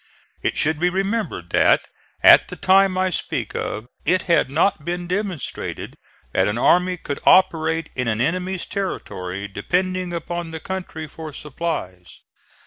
It should be remembered that at the time I speak of it had not been demonstrated that an army could operate in an enemy's territory depending upon the country for supplies.